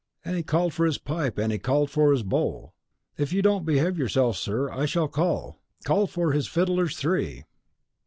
"'And he called for his pipe, and he called for his bowl '" "If you don't behave yourself, sir, I shall call " "'Call for his fiddlers three!